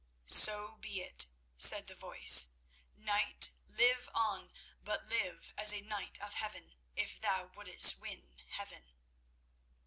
"So be it," said the voice. "Knight, live on, but live as a knight of Heaven if thou wouldst win Heaven."